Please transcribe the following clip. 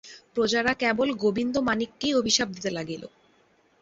প্রজারা কেবল গোবিন্দমাণিক্যকেই অভিশাপ দিতে লাগিল।